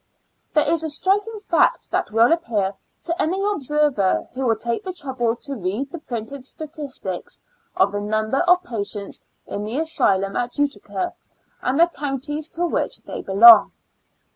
There is a striking fact that will appear I^'' A L UNA TIC A STL U3L ']: Q 7 to any observer who will take the trouble to read the printed statistics of the number of patients in the asylum at Utica, and the counties to which they belong.